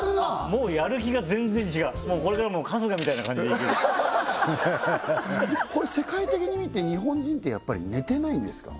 もうやる気が全然違うこれからもう春日みたいな感じでいけるこれ世界的に見て日本人ってやっぱり寝てないんですか？